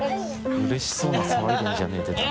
うれしそうな「騒いでんじゃねぇ」出たな。